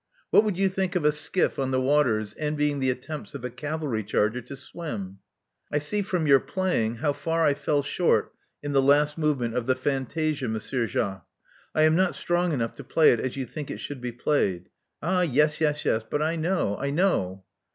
What would you think of a skiff on the waters envying the attempts of a cavalry charger to ^ swim?" I see from your playing how far I fall short in the last movement of the fantasia, Monsieur Jacques. I am not strong enough to play it as you think it should be played. Ah yes, yes, yes; but I know — I know.